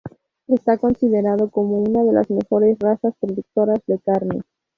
Está considerada como una de las mejores razas productoras de carne.